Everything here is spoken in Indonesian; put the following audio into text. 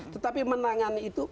tetapi menangani itu